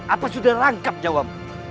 apa sudah rangkap jawabmu